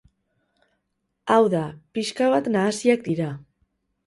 Hau da, pixka bat nahasiak dira.